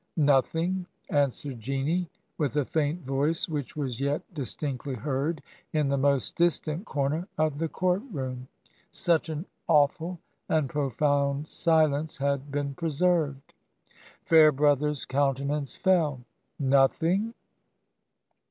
* 'Nothing,' answered Jeanie, with a faint voice which was yet distinctly heard in the most distant comer of the court room, such an awful and profound silence had been preserved. ... Fairbrother's countenance fell. ... 'Nothing?